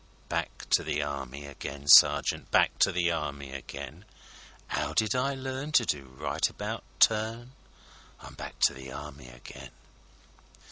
â Back to the Army again, sergeant, Back to the Army again; 'Ow did I learn to do right about turn? I'm back to the Army again!